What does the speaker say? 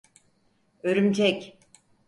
Örümcek…